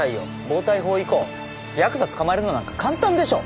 暴対法以降ヤクザ捕まえるのなんか簡単でしょ。